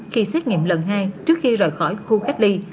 khi xét nghiệm lần hai trước khi rời khỏi khu cách ly